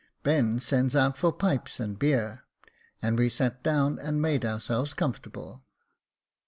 Ben sends out for pipes and beer, and we sat down and made ourselves comfortable.